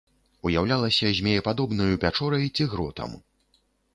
Уяўлялася змеепадобнаю пячорай ці гротам.